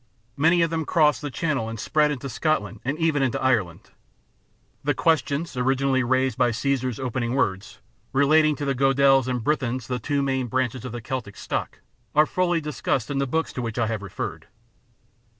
Many of them crossed the Channel and spread into Scotland and even into Ireland. The questions, originally raised by xiii xiv INTRODUCTION Caesar's opening words, relating to the Goidels and the Brythons — the two main branches of the Celtic stock — are fully discussed in the books to which I have referred.